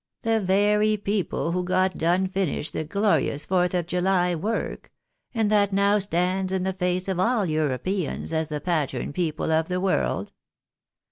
The very people who got done finished the glorious 4th of July work, and that now stands in the face of all Europeyans as the pattern people of the world.